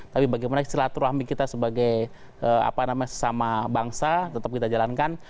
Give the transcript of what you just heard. tapi bagaimana silaturahmi kita sebagai sesama bangsa tetap kita jalankan